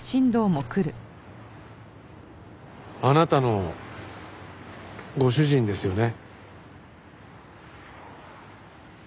あなたのご主人ですよね。